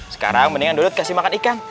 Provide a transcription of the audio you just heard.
sekarang mendingan dulu kasih makan ikan